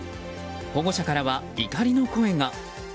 保護者からは怒りの声が。